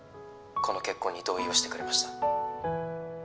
この結婚に同意をしてくれました